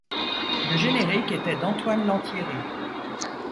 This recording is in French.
Le générique était d'Antoine Lantieri.